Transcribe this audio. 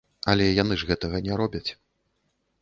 Але яны ж гэтага не робяць.